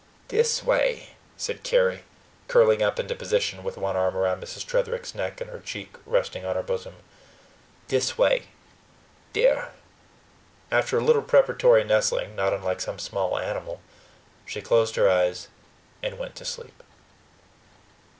"Dis way," said Carry, curling up into position, with one arm around Mrs. Tretherick's neck and her cheek resting on her bosom "dis way dere." After a little preparatory nestling, not unlike some small animal, she closed her eyes, and went to sleep.